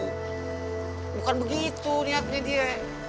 hai bukan begitu niatnya dia